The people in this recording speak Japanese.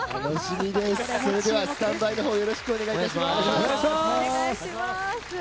それではスタンバイの方よろしくお願いします。